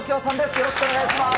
よろしくお願いします。